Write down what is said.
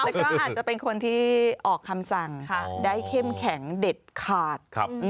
แล้วก็อาจจะเป็นคนที่ออกคำสั่งได้เข้มแข็งเด็ดขาด